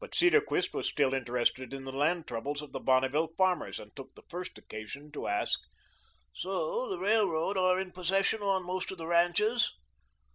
But Cedarquist was still interested in the land troubles of the Bonneville farmers, and took the first occasion to ask: "So, the Railroad are in possession on most of the ranches?"